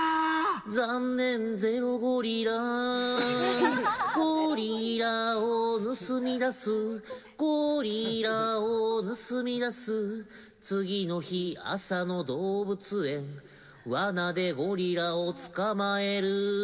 残念ゼロゴリラゴリラを盗み出すゴリラを盗み出す次の日朝の動物園わなでゴリラを捕まえる。